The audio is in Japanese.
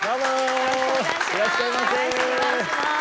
よろしくお願いします。